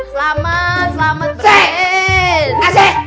selamat selamat beres